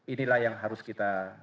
inilah yang harus kita